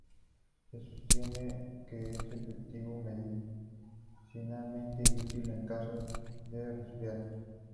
Se sostiene que es efectivo medicinalmente y útil en caso de resfriado.